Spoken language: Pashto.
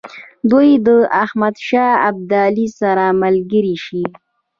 دوی د احمدشاه ابدالي سره ملګري شي.